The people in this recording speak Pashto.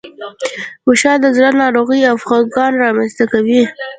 فشار د زړه ناروغۍ او خپګان رامنځ ته کوي.